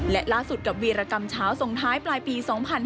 และล่าสุดกับวีรกรรมเช้าส่งท้ายปลายปี๒๕๕๙